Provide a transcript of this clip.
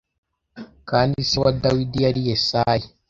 Kandi se wa Dawidi yari Yesayi.